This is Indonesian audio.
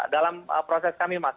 dalam proses kami mas